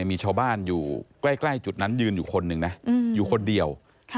มีชาวบ้านอยู่ใกล้จุดนั้นยืนอยู่คนหนึ่งนะอยู่คนเดียว